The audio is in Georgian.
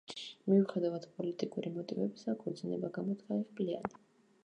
მიუხედავად პოლიტიკური მოტივებისა, ქორწინება გამოდგა იღბლიანი.